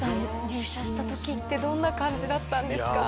入社した時ってどんな感じだったんですか？